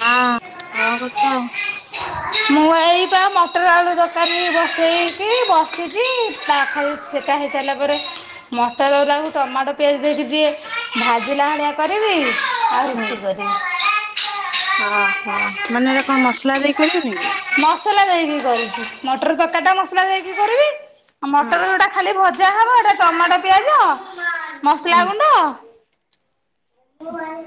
ହଁ କଣ କରୁଛ? ମୁଁ ଏଇପା ମଟର ଆଳୁ ତରକାରୀ ବସେଇକି ବସିଛି ତା ଖାଇ ସେଟା ହେଇସାରିଲା ପରେ ମଟର ଗୁରାକୁ ଟମାଟୋ ପିଆଜ ଦେଇକି ଟିକେ ଭାଜିଲା ଭଳିଆ କରିବି। ଆଉ ରୁଟି କରିବି ହଁ ଓହୋ ମାନେ ଏଟା କଣ ମସଲା ଦେଇ କରିବେନି କି? ମସଲା ଦେଇକି କରୁଛି ମଟର ତରକାରୀ ଟା ମସଲା ଦେଇକି କରିବି ଆଉ ହଁ ମଟର ଯୋଉଟା ଖାଲି ଭ ଯାହା ହେବ ଏଟା ଟମାଟୋ, ପିଆଜ, ମସଲା ହଁ ଗୁଣ୍ଡ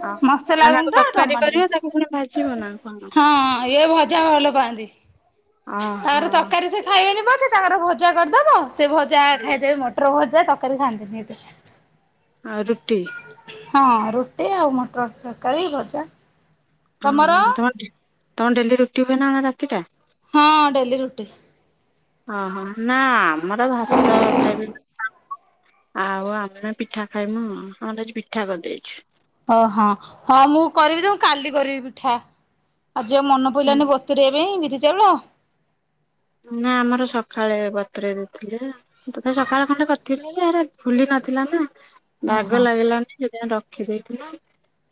ଅ ମସଲା ମାନେ ଆକୁ ଗୁଣ୍ଡ ତରକାରୀ ଟମାଟୋ କରିବ ତାକୁ ପୁଣି ଭାଜିବ ନା ଦେଇକି କଣ? ହଁ ଇଏ ଭଜା ଭଲ ପାଆନ୍ତି। ଓହୋ ତାପରେ ତରକାରୀ ସେ ଖାଇବେନି ପଛେ ତାଙ୍କର ଭଜା କରିଦବ ସେ ଭଜା ଖାଇଦେବେ ମଟର ଭଜା ତରକାରୀ ଖାଆନ୍ତିନି ଏତେ। ଆ ରୁଟି ହଁ ରୁଟି ଆଉ ମଟର ତରକାରୀ ଭଜା। ହଁ ତମର? ତମ ତମ ଡେଲି ରୁଟି ହୁଏନା କଣ ରାତିଟା? ହଁ ଡେଲି ରୁଟି। ଓହୋ ନା ଆମର ଭାତ ଖାଇବେ। ଆଉ ଆମ ପିଠା ଖାଇମୁ ଆମର ପିଠା କରିଦେଇଛୁ। ଓହଁ ହଁ ମୁଁ କରିବି ତ ମୁଁ କାଲି କରିବି ପିଠା। ଆଜି ଆଉ ମନ ପଇଲାନି ବ ଚୁରିବା ପାଇଁ ବିରି ଚାଉଳ ନା ଆମର ସକାଳେ ବତୁରାଇ ଦେଇଥିଲେ। ଗୋଟେ ସଖାଳେ ଖଣ୍ଡେ କରିଥିଲି ଯେ ହେରା ଫୁଲି ନଥିଲା ନା। ହଁ ହଁ। ବାଗ ଲାଗିଲାନି ସେଥିପାଇଁ ରଖିଦେଇଥିଲୁ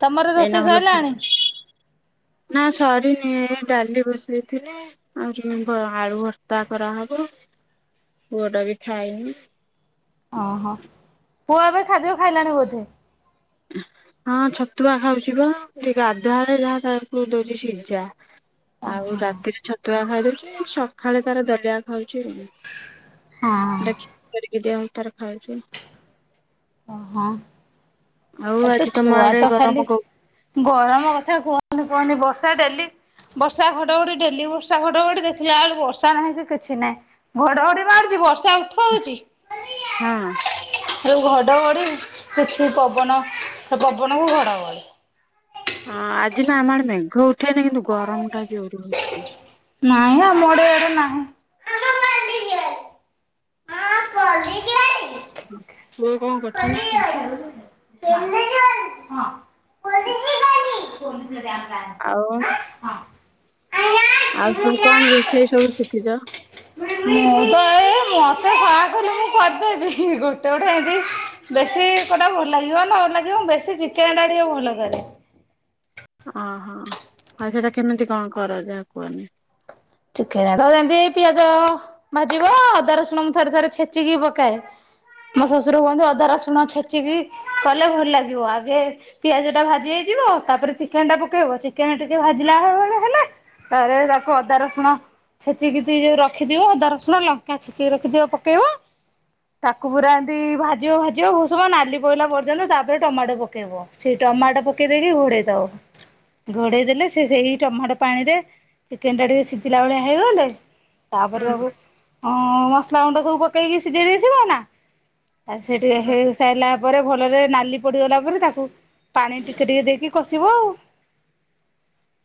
ତମର ରୋଷେଇ ଭଲ ସରିଲାଣି ଫୁଲୁଛି। ନା ସରିନି ଏ ଡାଲି ବସେଇଥିଲି ଆଉ [unintelligible] ଆଳୁ ଭର୍ତ୍ତା କରାହବ, ପୁଅଟା ବି ଖାଇନି। ଓହୋ, ପୁଅ ଏବେ ଖାଦ୍ୟ ଖାଇଲାଣି ବୋଧେ? ହଁ ଛତୁଆ ଖାଉଛି ବା ଟିକେ ଗାଧୁଆଳେ ଯାହା ତାକୁ ଦଉଛି ସିଝା। ଓହୋ ଆଉ ରାତିରେ ଛତୁଆ ଖାଇଦଉଛି ସଖାଳେ ତାର ଦଲିଆ ଖାଉଛି ଆଉ। ହଁ ଦେଖିକି କରି ଦିଆ ହଉଚି ତାର ଖାଉଛି। ଅ ହଁ। ଆଉ ଏ ତ ଆଜି ତମ ଛୁଆ ଆଡେ ତ ଗରମ ଖାଲି କ ଗରମ କଥା କୁହନି କୁହନି ବର୍ଷା ଡେଲି ବର୍ଷା ଘଡଘଡି ଡେଲି ବର୍ଷା ଘଡଘଡି ଦେଖିଲାଳକୁ ବର୍ଷା ନାହିଁ କି କିଛି ନାହିଁ। ଘଡଘଡି ମାରୁଚି ବର୍ଷା ଉଠ ହଁ। ଯୋଉ ଘଡଘଡି କିଛି ପବନ ସେ ପବନକୁ ଘଡ ଘଡି ହଁ ଆଜିଟା ଆମ ଆଡେ ମେଘ ଉଠେଇନି କିନ୍ତୁ ଗରମଟା ଜୋରେ ହଉଛି। ନାଇଁ ହେ ଆମ ଆଡ଼େ ଇଆଡ଼େ ନାହିଁ। [inaudible] ପୁଅ କଣ କରୁଛି ନା କଣ? [inaudible] [inaudible] ଆଉ [inaudible] ଆଉ ସବୁ କଣ ରୋଷେଇ ସବୁ ଶିଖିଛ? ମୁଁ ତ ଏ ଏ ମତେ ଯାହା କଲେ ମୁଁ କରିଦେବି ଗୋଟେ ଗୋଟେ ଏନ୍ତି ବେଶୀ କୋଉଟା ଭଲ ଲାଗିବ ନ ଲାଗିବ ମୁଁ ବେଶୀ ଚିକେନ ତା ଟିକେ ଭଲ କରେ। ଅ ହଁ ଆଉ ସେଇଟା କେମିତି କଣ କର ଯାହା କୁହନି? ଚିକେନ ଧର ଯେମିତି ପିଆଜ ଭାଜିବ ଅଦା ରସୁଣଙ୍କୁ ଥରେ ଥରେ ଛେଚିକି ପକାଏ ମୋ ଶ୍ୱଶୁର କୁହନ୍ତି ଅଦା ରସୁଣ ଛେଚିକି କଲେ ଭଲ ଲାଗିବ ଆଗେ ପିଆଜ ଟା ଭାଜି ହେଇଯିବ ତାପରେ ଚିକେନ ଟା ପକେଇବ ଚିକେନ ଟିକେ ଭାଜିଲା ଭଳିଆ ହେଲେ ପରେ ତାକୁ ଅଦା ରସୁଣ ଣ ଛେଚିକି ଯଦି ଇଏ ରଖିଥିବ ଅଦା ରସୁଣ ଲଙ୍କା ଛେଚିକି ରଖିଥିବ ପକେଇବ ତାକୁ ପୁରା ଏମିତି ଭାଜିବ ଭାଜିବ ବହୁତ ସମୟ ନାଲି ପଇଲା ପର୍ଯ୍ୟନ୍ତ ତାପରେ ଟମାଟୋ ପକେଇବ। ସେ ଟମାଟୋ ପକେଇ ଦେଇକି ଘୋଡେଇ ଦବ। ଘୋଡେଇ ଦେଲେ ସେ ସେଇ ଟମାଟୋ ପାଣିରେ ଚିକେନ ଟା ଟିକେ ସିଝ ଝିଲା ଭଳିଆ ହେଇଗଲେ ତାପରେ ତାକୁ ହଁ ମସଲା ଗୁଣ୍ଡ ସବୁ ପକେଇକି ସିଝେଇ ଦେଇଥିବ ନା ଆ ସିଏ ଟିକେ ହେଇ ସାଇଲା ପ ପରେ ଭଲରେ ନାଲି ପଡିଗଲା ପରେ ତାକୁ ପାଣି ଟିକେ ଟିକେ ଦେଇକି କଷିବ ଆଉ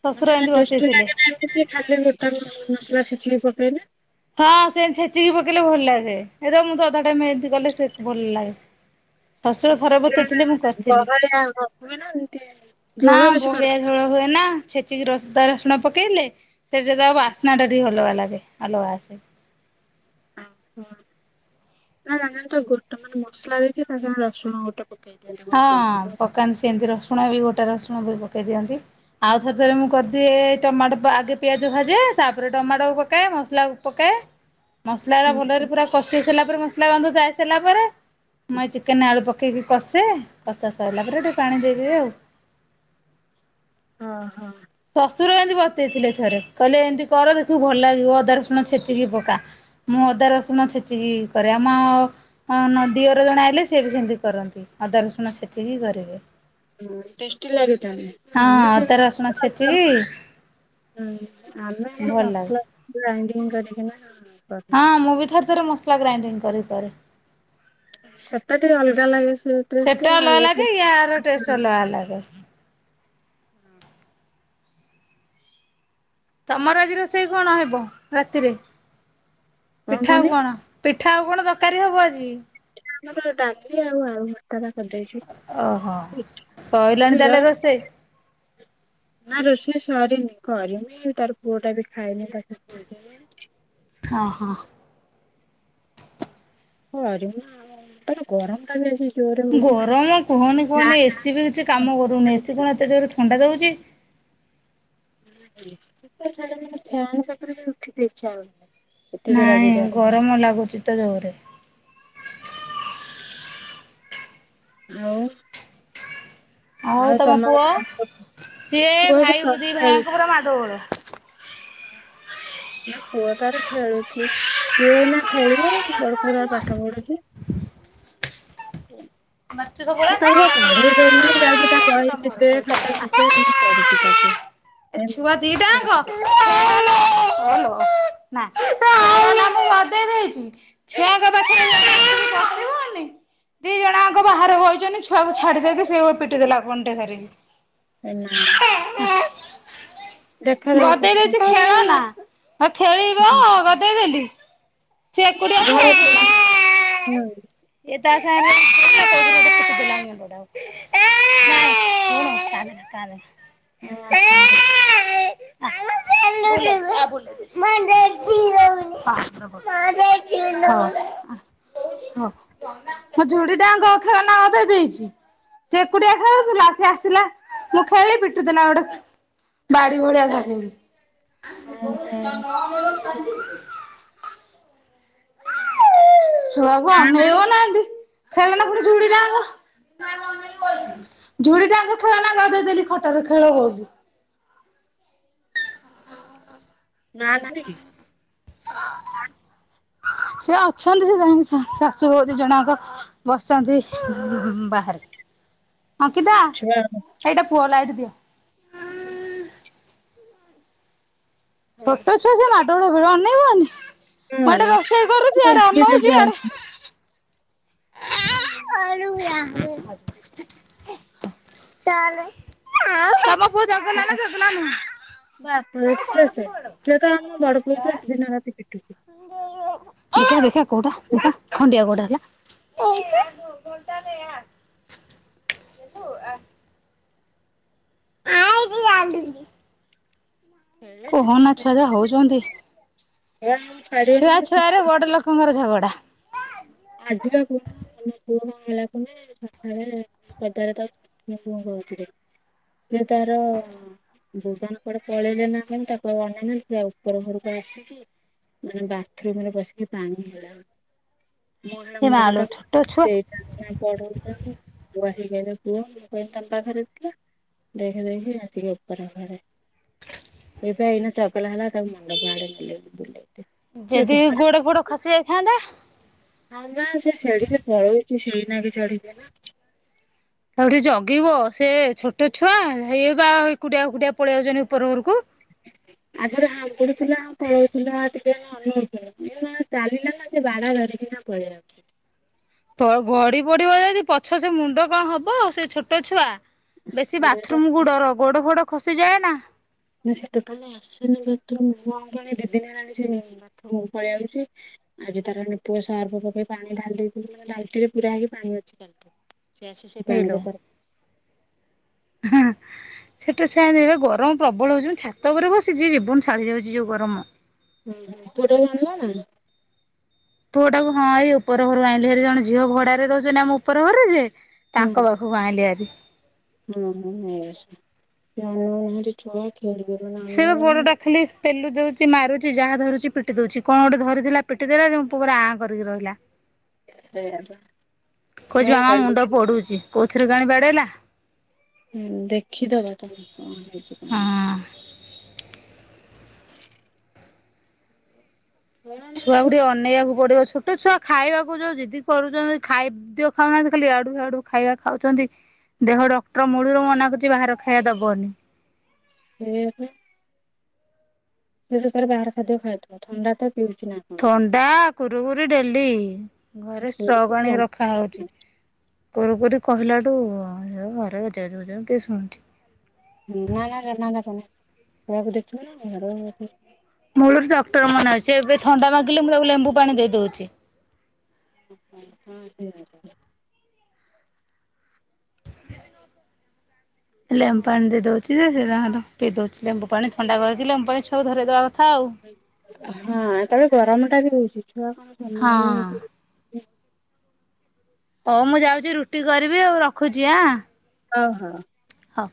ଶ୍ୱଶୁର ମାନେ ଏମିତି ଟେଷ୍ଟି ବତେଇଥିଲେ। ଲାଗେ ନା ଏମିତି? ଟିକେ ଖାଲି ଗୋଟା [unintelligible] ମସଲା ଛେଚିକି ପକେଇବେ ହଁ ସେନ୍ତି ଛେଚିକି ପକେଇଲେ ଭଲ ଲାଗେ ଏ ତ ମୁଁ ତ ଅଧା ଟାଇମ୍ ଏମତି କଲେ ସେ ଭଲ ଲାଗେ। ଶ୍ଵଶୁର ଥରେ ବତେଇଥିଲେ ମୁଁ କରିଥିଲି ବହଳିଆ ହୁଏ ନା ଏମିତି ନା ଝୋଳ ବେଶୀ କର ବହଳିଆ ଝୋଳ ହୁଏ ନା ଛେଚିକି ରସ୍ ଅଦା ରସୁଣ ପକେଇଲେ ସେଠୁ ସେ ତା ବାସ୍ନା ଟା ଟିକେ ଭଲ ବାଲା ଦିଏ। ଆଲୋ ଆସେ। ହୁଁ ନାଁ ଜଣିଚନ୍ତି ତ ଗୋଟେ ମାନେ ମସଲା ଦେଇକି ତା ସାଙ୍ଗେ ରସୁଣ ଗୋଟେ ପକେଇକି ହେଲା। ହଁ ପକାନ୍ତି ସେନ୍ତି ରସୁଣ ବି ଗୋଟା ରସୁଣ ବି ପକେଇ ଦିଅନ୍ତି। ଆଉ ଥରେ ଥରେ ମୁଁ କରିଦିଏ ଟମାଟ ପ ଆଗେ ପିଆଜ ଭାଜେ ତାପରେ ଟମାଟକୁ ପକାଏ ମସଲାକୁ ପକାଏ। ମସଲାଟା ହୁଁ ଭଲରେ ପୁରା କଷି ହେଇ ସାରିଲା ପରେ ମସଲା ଗନ୍ଧ ଯାଇସାରିଲା ପରେ ମୁଁ ଏଇ ଚିକେନେ ଆଳୁ ପ କେଇକି କଷେ କଷା ସଇଲା ପରେ ଟିକେ ପାଣି ଦେଇଦେବି ଆଉ। ହଁ ହଁ। ଶଶୁର ଏନ୍ତି ବତେଇଥିଲେ ଥରେ କହିଲେ ଏନ୍ତି କର ଦେଖିବୁ ଭଲ ଲାଗିବ ଅଦା ରସୁଣ ଛେଚିକି ପକା। ମୁଁ ଅଦା ରସୁଣ ଛେଚିକି କରେ ଆମ ହଁ ଦିଅର ନ ଜଣେ ଆଇଲେ ସିଏ ବି ସେମତି କରନ୍ତି ଅଦା ରସୁଣ ଛେଚିକି କରିବେ। ହୁଁ ଟେଷ୍ଟୀ ଲାଗେ ହଁ ତାହାଲେ? ଅଦା ରସୁଣ ଛେଚିକି [unintelligible] ହୁଁ ଆମେ ଆମର ଭଲ ଲାଗେ। ମସଲା ଗ୍ରାଇଣ୍ଡିଙ୍ଗ୍ କରିକିନା କ ହଁ ମୁଁ ବି ଥରେ ଥରେ ମସଲା ଗ୍ରାଇଣ୍ଡିଂ କରି କରେ। ସେଟା ଟିକେ ଅଲଗା ଲାଗେ ସେଇ ଟେଷ୍ଟ୍ ଟା ଆଉ ଏଟା ଆଲାଗେ। ତମର ଆଜି ରୋଷେଇ କଣ ହେବ ରାତିରେ ପିଠା ଆଉ କୁହନି? କଣ? ପିଠା ଆଉ କଣ ତରକାରୀ ହବ ଆଜି? ଆମର ଡାଲିି ଆଉ ଆଳୁ ଭ ତାର କରି ଓହୋ ଦେଇଚି ଇ ସଇଲାଣି କ୍ଷୀର ତାହେଲେ ରୋଷେଇ ନାଁ ରୋଷେଇ ସରିନି କରିମି ତାରେ ପୁଅଟା ବି ଖାଇନେଇ ତାକୁ ଖୋଇଦେମି। ହଁ ହଁ। କରିମି ଆଉ ତାରେ ଗରମଟା ବି ଆଜି ଜୋରେ ହଉଛି ନା। ଗରମ କୁହନି ଫ୍ୟାନ କୁହନି ଏ ସି ବି କିଛି କାମ କରୁନି ଏ ସି କଣ ଏତେ ଜୋରେ ଥଣ୍ଡା ଦଉଚି? ଟିକେ ଛାଡ଼ୁନି ସେ ଫ୍ୟାନ୍ ପାଖରୁ ବି ଉଠିତେ ଇଚ୍ଛା ହୋଉନେଇ। ନାଇଁ ଗରମ ଲାଗୁଚି ତ ଜୋରେ। ଆଉ ଆଉ ତମ ପୁଅ ଆଡେ କଣ ସବୁ ସିଏ ପୁଅ ସେ ତ ଭାଇ ଦି ଭାଇ ଆଙ୍କ ପୁରା ମାଡ଼ ବୋଳ। ହଁ। ନାଁ ପୁଅ ତାର ଖେଳୁ ଠିଏ ସିଏ ଏଇନା ଖେଳିବ ବଡ଼ ପୁଅ ତାର ମାଡ଼ଗୋଳ। ପାଠ ପଢ଼ୁଛି। ହୁଁ। ମାଟ୍ରିକ ପ ସିଏ ତାକୁ ବା ପଢ଼େଇ ଦୋଉନେଇ ଯାଉଚି ତା ପହି ତମ ଘର ଚିରଦେ ଖେଳ ଚାଲ ଖାତା ଚିରଦେ ଏମିତି କରୁଚି ତାକୁ। ଆ। ଏ ଛୁଆ ଦିଟା ଆଙ୍କ ନାଁ କଡ଼ନା ମୁଁ ମଦେଇ ଦେଇଚି। ଛୁଆଙ୍କ ପାଖରେ ଜଣେ ଆସିକି ବସିବନେଇ ଦି ଜଣଆ ଙ୍କ ବାହରେ ବଇଚନି ଛୁଆକୁ ଛାଡ଼ି ଦେଇକି ସିଏ ଓ ପିଟି ଦେଲା କଣ୍ଟେ ଧରିକି। ଏ ନାଁ। ଦେଖାଯାଉ ଗଦେଇ ଦେଇଚି କୋଉଠି ଖେଳନା ହେ ଖେଳିବ କଣ ଗଦେଇଦେଲି। ସିଏ ଘରେ ଏକୁଟିଆ ଓହୋ ଖେଳୁଥୁଲା। ଇଏ ତା ସାଙ୍ଗରେ ଯେମିତି ଖେଳିଲା କୋଉଥିରେ ଗୋଟେ ପିଟିଦେଲା ମୁଣ୍ଡଟାକୁ। ନାଇଁ ଶୁଣୁ କାନ୍ଦେନା କାନ୍ଦେନା। ଆ [unintelligible] [inaudible] [inaudible] [inaudible] [inaudible] [inaudible] [inaudible] [inaudible] ନା ନାନୀ କି? ସେ ଅଛନ୍ତି ସେ ଯାଇଁକି ଶା-ଶାଶୁ ବହୁ ଦି ଜଣ ଯାଙ୍କ। ବସିଚନ୍ତି ବୁ-ବୁ ବାହାରେ। ଛୁଆ ହୁଁ [inaudible] [inaudible] [inaudible] ତମ ପୁଅ ଚଗଲା ନା ଚଗଲା ନୁହଁ? [unintelligible] [inaudible] [inaudible] [inaudible] କହନା ଛୁଆ ଯାହା ହଉଚନ୍ତି ଖେଳେ ଛାଡିବେ ଛୁଆ ମାନେ ଛୁଆରେ ବଡ ଛୁଆଙ୍କୁ ଲୋକ ଙ୍କର ଝଗଡ଼ା। ଆଜି ପା କହୁଥିଲୁ [unintelligible] ସିଏ ତାର ଦୁକାନ କୁଆଡେ ପଳେଇଲେ ନା କଣ ତାକୁ ଆଉ ଅନେଇବେ ସିଏ ଆଉ ଉପର ଘରକୁ ଆସିକି ମାନେ ବାଥରୁମ୍ ରେ ପସିକି ପାଣି ହେଲା ମୁଁ ସିଆଡେ ଏ ମୁଣ୍ଡ ମାଲୋ ଟାକୁ ଛୋଟ ଛୁଆ [unintelligible] ପଢଉଚନ୍ତି ବଉ ଆସିକି କହିଲେ ପୁଅ ମୁଁ କହିଲି ତମ୍ ପାଖରେ ଥିଲା। ଦେଖେ ଦେଖେ ଆସିକି ଉପର ଘରେ। ସେ ଏଇନା ଚଗଲା ହେଲା ତାକୁ ମଣ୍ଡପ ଆଡେ ନେଲି ବୁଲେଇଲି। ଯେଦି ଗୋଡ ଫୋଡ ଖସି ଯାଇଥାନ୍ତା? ହଁ ପା ସେ ସେଡିରେ ପଳଉଚି [unintelligible] ନାକେ ଚଢିକି ନା। ତାକୁ ଟିକେ ଜଗିବ ସେ ଛୋଟ ଛୁଆ ହେଇ ବା ଏକୁଟିଆ ଏକୁଟିଆ ପଳେଇ ଆଉଚନ୍ତି ଉପର ଘରକୁ। ଆଗୁରୁ [unintelligible] ଥିଲା ପଳଉ ଥିଲା ଟିକିଏ ଇଏ ଏଇନା ଚାଲିଲା ନା ସେ ବାଡା ଧରିକିନା ପଳେଇଆସୁଚି। ତ-ଗଡି ପଡିବ ଯଦି ପଛ ସେ ମୁଣ୍ଡ କଣ୍ ହବ ସେ ଛୋଟ ଛୁଆ। ବେଶୀ ସେଇଆ ବା ବାଥରୁମ୍ କୁ ଡର ଗୋଡ ଫୋଡ ଖସିଯାଏ ନା। ନାଁ ସେ ଟୋଟାଲି ଆସେନି ବାଥରୁମ୍ କୁ କଣ୍ କେଜାଣି ଦି ଦିନି ହେଲାଣି ସେ ବାଥରୁମ୍ କୁ ପଳେଇଆଉଚି। ଆଜି ତାର ଡେଟଲ୍ ସର୍ଫ ପକେଇ ପାଣି ଢାଲି ଦେଇଥିଲି ମାନେ ବାଲ୍ଟି ରେ ପୁରା ହେଇ ପାଣି ଅଛି କାଲିଠୁ। ସିଏ ଆସି ସେଇ ପାଣିରେ ପହଁ ହାଁ- ହାଁ। ସେଟା ସେ [unintelligible] ଗରମ୍ ପ୍ରବଳ ହଉଚି ଛାତ ଉପରେ ବସିିଚି ଜୀବନ ଛାଡ଼ି ଯାଉଚି ଯଉ ଗରମ। ପୁଅ ଟାକୁ ଆଣିଲ ନା? ପୁଅ ଟାକୁ ହଁ ଏଇ ଉପର ଘରୁ ଆଇଁଲି ହାରି ଜଣେ ଝିଅ ଭଡାରେ ରହୁଚନ୍ତି ଆମ ଉପର ଘରରେ ଯେ ହଁ ତାଙ୍କ ପାଖ ହଉ ଆଇଁଲି ଭାରି। ସେ ବା ପୁଅଟା [unintelligible] ଖାଲି ପେଲୁ ଦେଉଚି ମାରୁଚି ଯାହା ଧରୁଚି ପିଟି ଦେଉଚି। କଣ ଗୋଟେ ଧରିଥିଲା ପିଟି ଦେଲା ଯେ ମୋ ପୁଅ ପୁରା ଆଁ କରିକି ରହିଲା। ସେଇଆ ପା କହୁଚି କଣ ମାମ କହିବି ମୁଣ୍ଡ ପୋଡୁଚି। କୋଉଥିରେ କେଜାଣି ବାଡେଇଲା। ହୁଁ। ଦେଖିଦବ ତମେ କଣ ହେଇଚି କଣ ହଁ। ନାଇଁ। ମାନେ ଛୁଆ କୁ ଟିକେ ଏଇନା ଅନେଇବାକୁ ପଡିବ ଛୋଟ ଛୁଆ ଖାଇବାକୁ ଯୋଉ ଯିଦି କରୁଛନ୍ତି ଖାଇ ଖାଦ୍ୟ ଖାଉନାହାନ୍ତି ଖାଲି ଇଆଡୁ ହିୟାଡୁ ଖାଇବା ଖାଉଚନ୍ତି। ଦେହ ଡକ୍ଟର ମୂଳରୁ ମନା କରୁଚି ବାହାର ଖାଇବା ଦବନି। ସେଇଆ ପା। ସେତ ତାହାର ବାହାର ଖାଦ୍ୟ ଖାଇଥିବ। ଥଣ୍ଡା ତ ପିଉଚି ନା। କଣ। ଥଣ୍ଡା କୁରୁକୁରି ଡେଲି। ଘରେ ଷ୍ଟ୍ରକ ଆଣିକି ରଖାହଉଚି। କୁରୁକୁରି କହିଲାଠୁ ଘରେ ଗେଜେ ଗେଜେ ହଉଛନ୍ତି କିଏ ଶୁଣୁଚି। [unintelligible] ମୂଳୁରୁ ଡକ୍ଟର ମନା କରିଚି। ଏବେ ଥଣ୍ଡା ମାଗିଲେ ମୁଁ ତାକୁ ଲେମ୍ବୁ ପାଣି ଦେଇଦଉଚି। [unintelligible] ଲେମ୍ୱୁ ପାଣି ଦେଇ ଦଉଚି ଯେ ସେ ତାଙ୍କର ପିଇ ଦଉଚି ଲେମ୍ବୁ ପାଣି ଥଣ୍ଡା କହିକି ଲେମ୍ବୁ ପାଣି ଛୁଆକୁ ଧରେଇଦେବା କଥା ଆଉ। ହଁ ତାପରେ ଗରମ ଟା ବି ହଉଚି ଛୁଆ କଣ ସମ୍ହାଲିହେବେ ହଁ ହେଇଥିରେ। ହଉ ମୁଁ ଯାଉଚି ରୁଟି କରିବି ଆଉ ରଖୁଚି ଆଁ। ହଁ ହଁ। ହଉ।